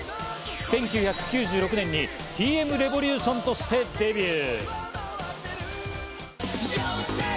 １９９６年にＴ．Ｍ．Ｒｅｖｏｌｕｔｉｏｎとしてデビュー。